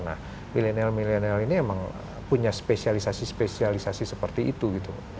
nah milenial milenial ini emang punya spesialisasi spesialisasi seperti itu gitu